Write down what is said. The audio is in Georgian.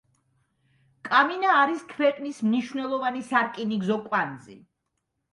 კამინა არის ქვეყნის მნიშვნელოვანი სარკინიგზო კვანძი.